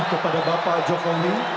kepada bapak jokowi